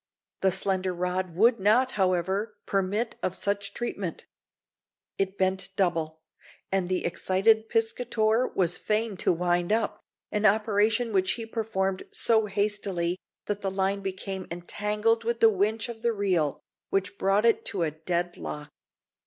The slender rod would not, however, permit of such treatment. It bent double, and the excited piscator was fain to wind up an operation which he performed so hastily that the line became entangled with the winch of the reel, which brought it to a dead lock.